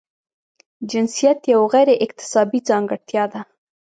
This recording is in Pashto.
جنسیت یوه غیر اکتسابي ځانګړتیا ده.